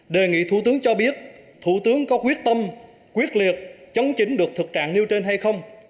đề nghị thủ tướng cho biết thủ tướng có quyết tâm quyết liệt chống chính được thực trạng như trên hay không